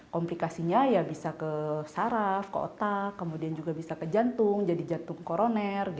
komplikasinya ya bisa ke saraf ke otak kemudian juga bisa ke jantung jadi jantung koroner